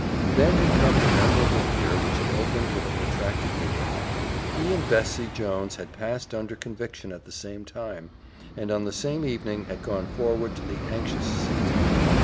Then had come the memorable year which had opened with a protracted meeting. He and Bessie Jones had passed under conviction at the same time, and on the same evening had gone forward to the anxious seat.